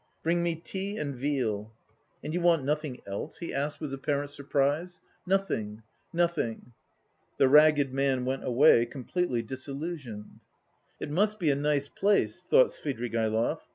"Bring me tea and veal." "And you want nothing else?" he asked with apparent surprise. "Nothing, nothing." The ragged man went away, completely disillusioned. "It must be a nice place," thought Svidrigaïlov.